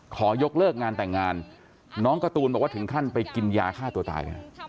ขอยกเลิกงานแต่งงานน้องการ์ตูนบอกว่าถึงขั้นไปกินยาฆ่าตัวตายเลยนะ